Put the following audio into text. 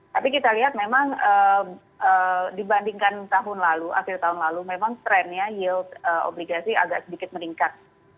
tapi kita lihat memang dibandingkan tahun lalu akhir tahun lalu memang trennya yield obligasi agak sedikit meningkat